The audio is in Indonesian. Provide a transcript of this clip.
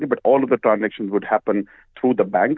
tetapi semua transaksi akan terjadi melalui bank